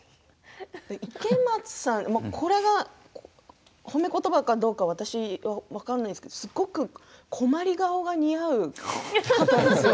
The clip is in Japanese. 池松さんこれが褒めことばかどうか私は分かんないんですけどすごく困り顔が似合う方ですよね。